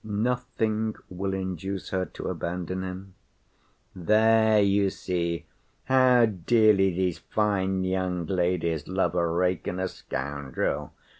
"Nothing will induce her to abandon him." "There you see how dearly these fine young ladies love a rake and a scoundrel.